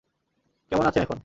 কেমন আছেন এখন?